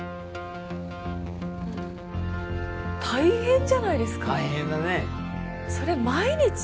大変じゃないですか大変だねそれ毎日？